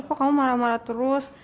kok kamu marah marah terus